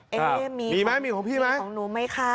มีของพี่ไหมมีของหนูไหมคะ